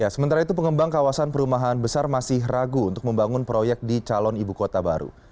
sementara itu pengembang kawasan perumahan besar masih ragu untuk membangun proyek di calon ibu kota baru